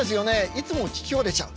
いつも聞きほれちゃう。